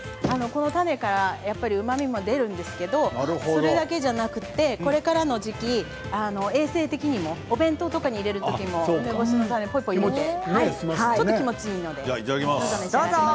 この種からうまみが出るんですけどそれだけじゃなくてこれからの時期、衛生的にもお弁当とかに入れるときも梅干しの種はいいので。